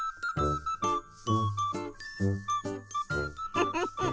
フフフフ。